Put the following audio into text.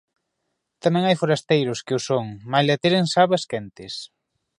Tamén hai forasteiros que o son malia teren sabas quentes.